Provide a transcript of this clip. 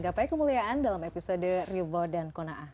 gapai kemuliaan dalam episode real barr dan kona a